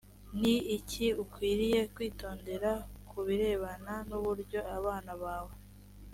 ni iki ukwiriye kwitondera ku birebana n uburyo abana bawe